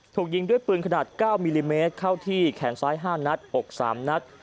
ถูกยิงด้วยปืนขนาด๙มิลลิเมตรเข้าที่แขนซ้าย๕นัดอก๓นัด